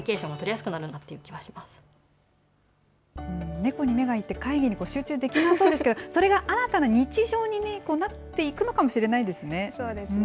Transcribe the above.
猫に目がいって、会議に集中できなそうですけど、それが新たな日常になっていくのかもしれないですね。